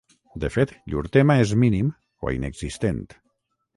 De fet, llur tema és mínim, o inexistent.